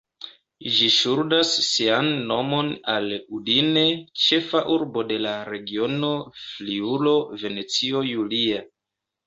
Ĝi ŝuldas sian nomon al Udine, ĉefa urbo de la regiono Friulo-Venecio Julia.